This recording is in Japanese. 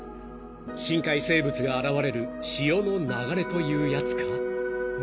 ［深海生物が現れる潮の流れというやつか？］